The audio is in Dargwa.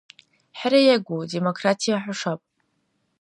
ХӀераягу, демократия хӀушаб!